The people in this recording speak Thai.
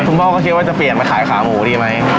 พ่อก็คิดว่าจะเปลี่ยนมาขายขาหมูดีไหม